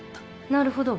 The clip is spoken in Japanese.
なるほど。